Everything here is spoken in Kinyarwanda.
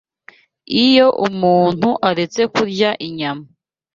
Iyo umuntu aretse kurya inyama